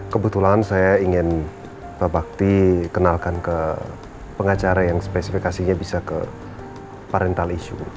kebetulan saya ingin pak bakti kenalkan ke pengacara yang spesifikasinya bisa ke variental issue